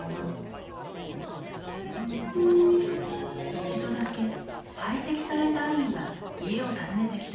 一度だけ排斥された兄が家を訪ねてきたことがある。